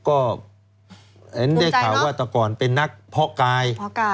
ก็ได้ข่าวว่าตอนก่อนเป็นนักพ่อกาย